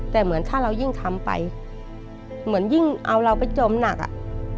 แต่เหมือนถ้าเรายิ่งทำไปเหมือนยิ่งเอาเราไปจมหนักอ่ะ